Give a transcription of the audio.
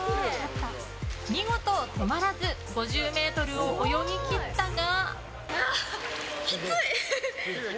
見事、止まらず５０ｍを泳ぎ切ったが。